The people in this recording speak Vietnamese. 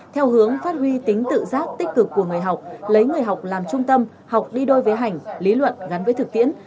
theo hướng phát huy tính tự giác tích cực của người học lấy người học làm trung tâm học đi đôi với hành lý luận gắn với thực tiễn